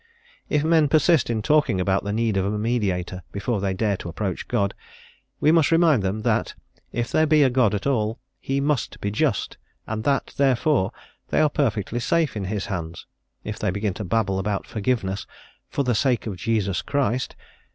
If men persist in talking about the need of a mediator before they dare to approach God, we must remind them that, if there be a God at all, He must be just, and that, therefore, they are perfectly safe In His hands; if they begin to babble about forgiveness "_for the sake of Jesus Christ?